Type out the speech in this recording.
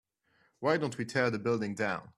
why don't we tear the building down?